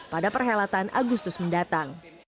pada perhelatan agustus mendatang